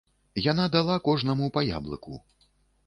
Яна дала кожнаму па яблыку.